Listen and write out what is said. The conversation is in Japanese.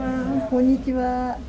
こんにちは。